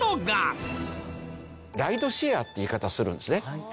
「ライドシェア」って言い方をするんですね。